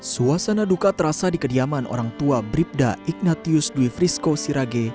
suasana duka terasa di kediaman orang tua bribda ignatius dwi frisco sirage